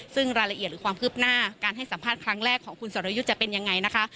ซึ่งรายละเอียดหรือความคืบหน้าการให้สัมภาษณ์ครั้งแรกของคุณสรยุทธ์จะเป็นยังไงนะคะ